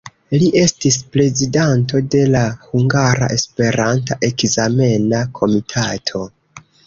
Li estis prezidanto de la Hungara Esperanta Ekzamena Komitato.